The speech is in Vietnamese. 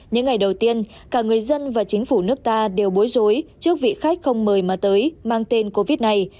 những ngày đầu tiên cả người dân và chính phủ nước ta đều bối rối trước vị khách không mời mà tới mang tên covid này